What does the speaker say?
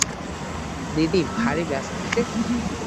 দিদি ভারি ব্যস্ত যে!